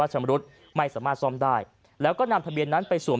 ชำรุดไม่สามารถซ่อมได้แล้วก็นำทะเบียนนั้นไปสวม